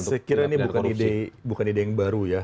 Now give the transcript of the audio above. saya kira ini bukan ide yang baru ya